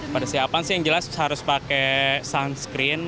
persiapan sih yang jelas harus pakai sunscreen